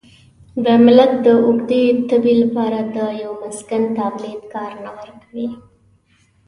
د ملت د اوږدې تبې لپاره د یوه مسکن تابلیت کار نه ورکوي.